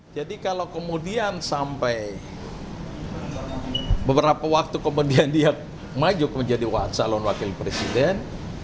jadi kalau kemudian sampai beberapa waktu kemudian dia maju menjadi wakil presiden